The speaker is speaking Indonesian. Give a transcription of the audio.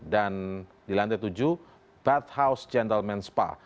dan di lantai tujuh bath house gentleman spa